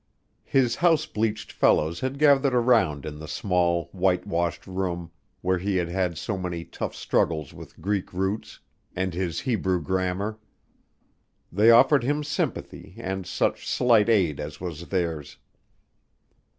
His house bleached fellows had gathered around in the small, whitewashed room where he had had so many tough struggles with Greek roots and his Hebrew grammar. They offered him sympathy and such slight aid as was theirs.